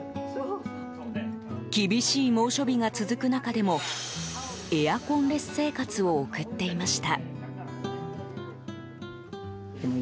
厳しい猛暑日が続く中でもエアコンレス生活を送っていました。